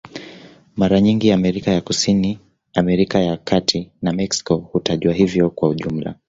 Mara nyingi Amerika ya Kusini, Amerika ya Kati na Meksiko hutajwa hivyo kwa jumla.